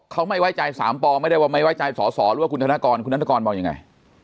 เขาไม่ไว้ใจ๓ปไม่ได้ว่าไม่ไว้ใจสอสอหรือว่าคุณธนกรคุณนัฐกรมองยังไง